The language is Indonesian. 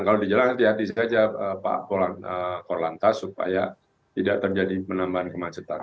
kalau dijelang hati hati saja pak korlantas supaya tidak terjadi penambahan kemacetan